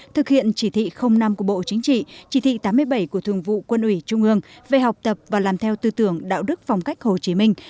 thực hiện chỉ thị năm của bộ chính trị chỉ thị tám mươi bảy của thường vụ quân ủy trung ương về học tập và làm theo tư tưởng đạo đức phong cách hồ chí minh